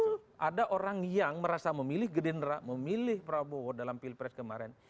betul ada orang yang merasa memilih gerindra memilih prabowo dalam pilpres kemarin